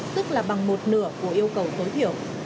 tức là bằng một nửa của yêu cầu tối thiểu